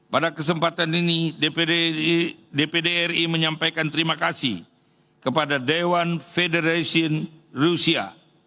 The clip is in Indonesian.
pada kesempatan ini dpd ri menyampaikan terima kasih kepada dewan federation rusia